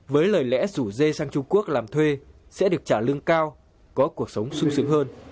với lời lẽ rủ dê sang trung quốc làm thuê sẽ được trả lương cao có cuộc sống sung sướng hơn